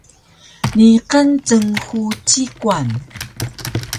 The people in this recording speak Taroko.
Niqan cng-fu ci-kwan